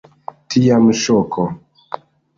Tiam ŝoko.